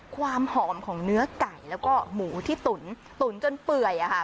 ความหอมของเนื้อไก่แล้วก็หมูที่ตุ๋นตุ๋นจนเปื่อย